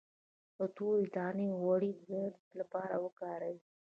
د تورې دانې غوړي د درد لپاره وکاروئ